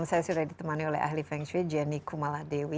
saya sudah di temani oleh ahli feng shui gianni kumala dewi